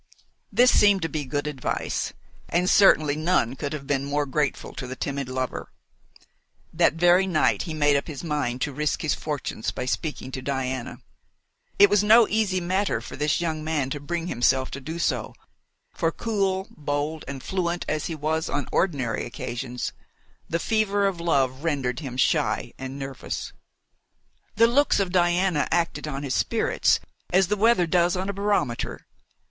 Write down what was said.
This seemed to be good advice, and certainly none could have been more grateful to the timid lover. That very night he made up his mind to risk his fortunes by speaking to Diana. It was no easy matter for the young man to bring himself to do so, for cool, bold, and fluent as he was on ordinary occasions, the fever of love rendered him shy and nervous. The looks of Diana acted on his spirits as the weather does on a barometer.